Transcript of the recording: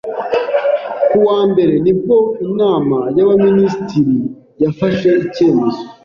Kuwa wambere ni bwo inama y’abaminisitiri yafashe icyemezo